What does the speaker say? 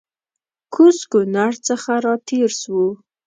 کوز کونړ څخه راتېر سوو